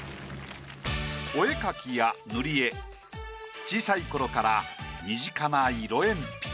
お絵描きや塗り絵小さい頃から身近な色鉛筆。